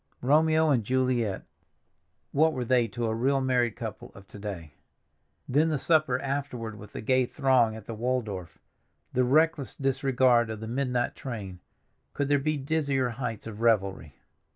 Romeo and Juliet—what were they to a real married couple of to day? Then the supper afterward with the gay throng at the Waldorf—the reckless disregard of the midnight train—could there be dizzier heights of revelry?